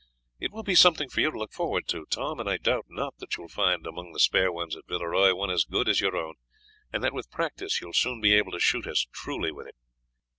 "It will be something for you to look forward to, Tom, and I doubt not that you will find among the spare ones at Villeroy one as good as your own, and that with practice you will soon be able to shoot as truly with it."